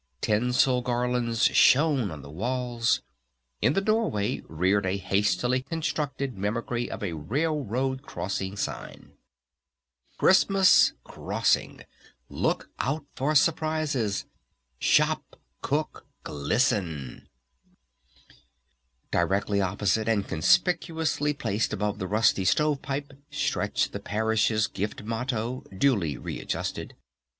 Tinsel garlands shone on the walls. In the doorway reared a hastily constructed mimicry of a railroad crossing sign. Directly opposite and conspicuously placed above the rusty stove pipe stretched the Parish's Gift Motto duly re adjusted.